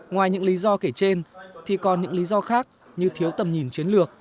ngoài những lý do kể trên thì còn những lý do khác như thiếu tầm nhìn chiến lược